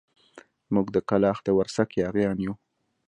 موږ د کلاخ د ورسک ياغيان يو.